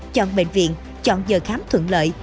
chọn bệnh viện chọn giờ khám thuận lợi